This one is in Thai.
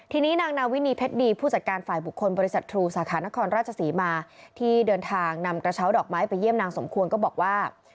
ทีนี้นางนาวินีเพชรดีผู้จัดการฝ่ายบุคคลบริษัททรูสาขานครราชศรีมาที่เดินทางนำกระเช้าดอกไม้ไปเยี่ยมนางสมควรก็บอกว่า